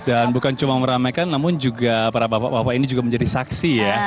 dan bukan cuma meramaikan namun juga para bapak bapak ini juga menjadi saksi ya